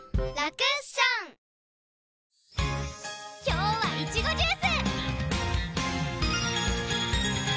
今日はいちごジュース！